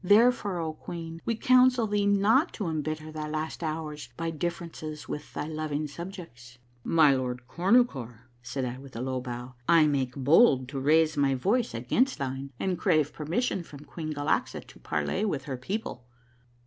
Therefore, O queen, we counsel thee not to imbitter thy last hour's by differences with thy loving subjects." A MARVELLOUS UNDERGROUND JOURNEY 81 " M j Lord Cornucore," said I with a low bow, " I make bold to raise my voice against tbine, and I crave permission from Queen Galaxa to parley with her people."